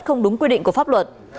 không đúng quy định của pháp luật